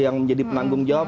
yang menjadi penanggung jawab